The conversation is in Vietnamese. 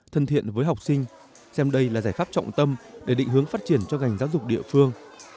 thân thiện với học sinh xem đây là giải pháp trọng tâm để định hướng phát triển cho ngành giáo dục địa phương